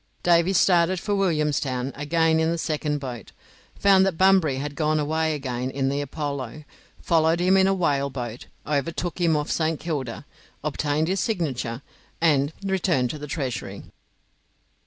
Davy started for Williamstown again in the second boat, found that Bunbury had gone away again in the 'Apollo', followed him in a whale boat, overtook him off St. Kilda, obtained his signature, and returned to the Treasury.